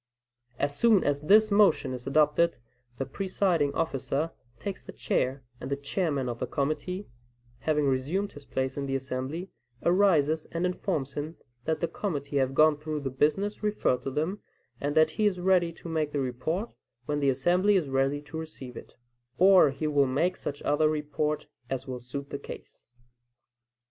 As soon as this motion is adopted, the presiding officer takes the chair, and the chairman of the committee, having resumed his place in the assembly, arises and informs him, that "the committee have gone through the business referred to them, and that he is ready to make the report, when the assembly is ready to receive it;" or he will make such other report as will suit the case.